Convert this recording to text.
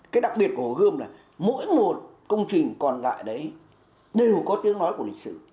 cái đặc biệt của hồ gươm là mỗi một công trình còn lại đấy đều có tiếng nói của lịch sử